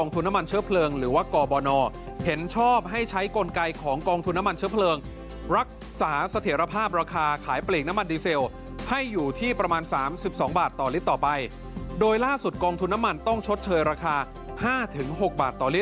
ที่ชดเชยไป๙บาทต่อลิตรครับ